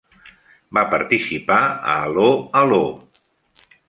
Va participar a "Allo, Allo!"